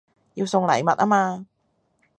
要送禮物吖嘛